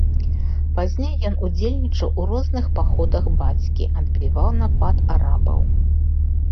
Пазней ён удзельнічаў у розных паходах бацькі, адбіваў напад арабаў.